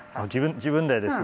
自分でですね？